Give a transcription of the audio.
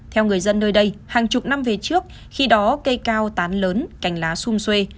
theo người dân nơi đây hàng chục năm về trước khi đó cây cao tán lớn cành lá xung xuê